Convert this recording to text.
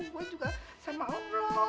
gue juga sama allah